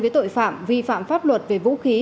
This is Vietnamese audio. với tội phạm vi phạm pháp luật về vũ khí